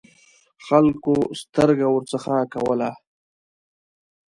خلکو سترګه ورڅخه کوله.